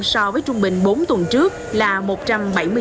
so với trung bình bốn tuần trước là một trăm bảy mươi chín ca